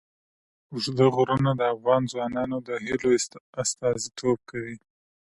اوږده غرونه د افغان ځوانانو د هیلو استازیتوب کوي.